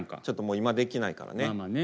ちょっともう今できないからね。